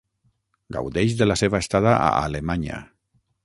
Gaudeix de la seva estada a Alemanya.